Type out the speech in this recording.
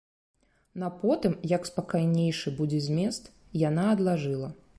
На потым, як спакайнейшы будзе змест, яна адлажыла.